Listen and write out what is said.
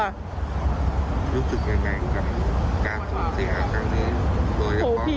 รู้สึกยังไงครับการถูกที่หาทางนี้